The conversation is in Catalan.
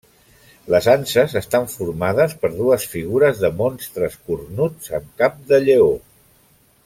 Les anses estan formades per dues figures de monstres cornuts amb cap de lleó.